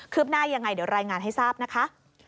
หน้ายังไงเดี๋ยวรายงานให้ทราบนะคะ